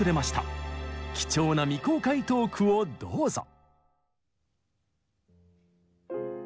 貴重な未公開トークをどうぞ。